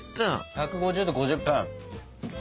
１５０℃で５０分。